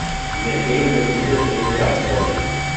Diese Empfehlungen dürften Mitte des nächsten Jahres vorliegen.